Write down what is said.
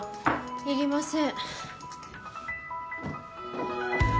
いりません。